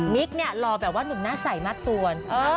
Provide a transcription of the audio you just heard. มิ๊กเนี่ยหล่อแบบว่านุ่นน่าใส่น่าตวน